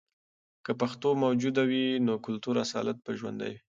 که پښتو موجوده وي، نو کلتوري اصالت به ژوندۍ وي.